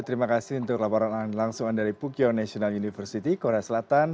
terima kasih untuk laporan langsung dari pukyo national university korea selatan